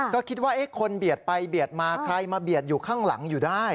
ก็คิดว่าคนเบียดไปเบียดมาใครมาเบียดอยู่ข้างหลังอยู่ได้